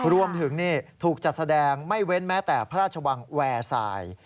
รวมถึงถูกจัดแสดงไม่เว้นแม้แต่พระราชวังแวร์สาย